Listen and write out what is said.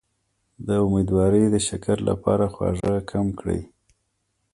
د امیدوارۍ د شکر لپاره خواږه کم کړئ